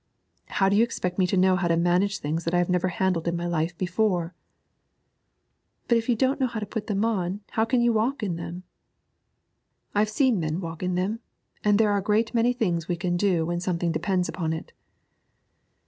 'How do you expect me to know how to manage things that I have never handled in my life before?' 'But if you don't know how to put them on how can you walk in them?' 'I have seen men walk in them, and there are a great many things we can do when something depends upon it.'